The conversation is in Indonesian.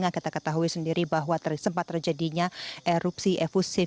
kita ketahui sendiri bahwa tersempat terjadinya erupsi efusif